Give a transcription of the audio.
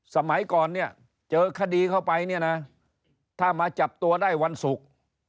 สมัยก่อนเนี่ยเจอคดีเข้าไปเนี่ยนะถ้ามาจับตัวได้วันศุกร์